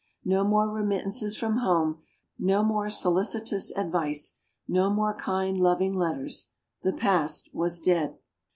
No more remittances from home; no more solicitous advice; no more kind, loving letters the past was dead.